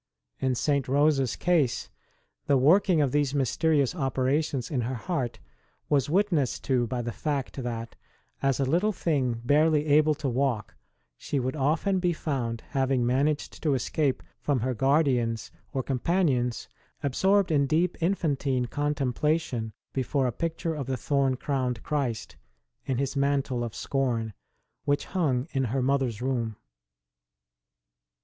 In St. Rose s case the work ing of these mysterious operations in her heart was witnessed to by the fact that, as a little thing barely able to walk, she would often be found, having managed to escape from her guardians or com 4 ST. ROSE OF LIMA panions, absorbed in deep infantine contemplation before a picture of the thorn crowned Christ, in His mantle of scorn, which hung in her mother s room.